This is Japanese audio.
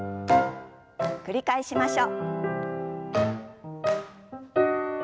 繰り返しましょう。